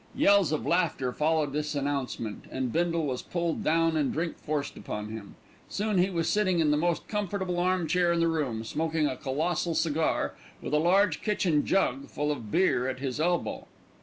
'" Yells of laughter followed this announcement, and Bindle was pulled down and drink forced upon him. Soon he was sitting in the most comfortable armchair in the room, smoking a colossal cigar, with a large kitchen jug full of beer at his elbow.